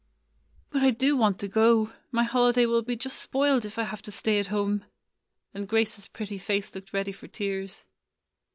''But I do want to go. My holiday will be just spoiled if I have to stay at home;" and Grace's pretty face looked ready for tears.